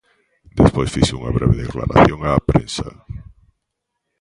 Despois, fixo unha breve declaración á prensa.